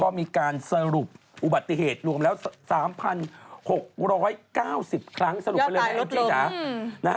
ก็มีการสรุปอุบัติเหตุรวมแล้ว๓๖๙๐ครั้งสรุปไปเลยนะแองจี้จ๋า